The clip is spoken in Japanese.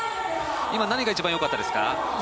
今、何が一番よかったですか？